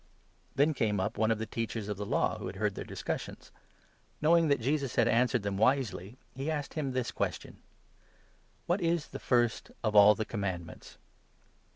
The Great Then came up one of the Teachers of the Law 28 command* who had heard their discussions. Knowing that ment. Jesus had answered them wisely, he asked him this question : "What is the first of all the commandments?